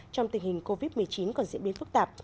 covid một mươi chín còn diễn biến phức tạp